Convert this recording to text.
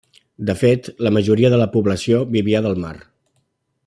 De fet, la majoria de la població vivia del mar.